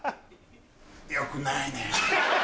よくないねぇ。